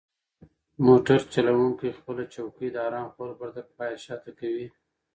موټر چلونکی خپله چوکۍ د ارام خوب لپاره تر پایه شاته کوي.